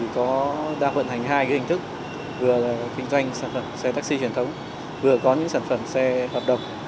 nó đang vận hành hai cái hình thức vừa là kinh doanh sản phẩm xe taxi truyền thống vừa là có những sản phẩm xe hợp đồng